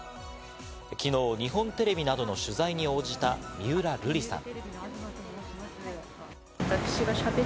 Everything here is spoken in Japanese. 昨日、日本テレビなどの取材に応じた三浦瑠麗さん。